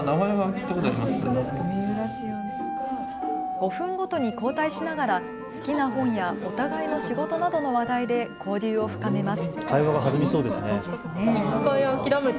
５分ごとに交代しながら好きな本やお互いの仕事などの話題で交流を深めます。